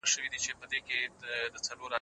آيا سياستوال رښتيا وايي؟